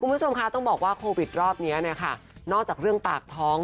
คุณผู้ชมคะต้องบอกว่าโควิดรอบนี้เนี่ยค่ะนอกจากเรื่องปากท้อง